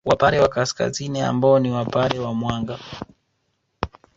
Wapare wa Kaskazini ambao ni Wapare wa Mwanga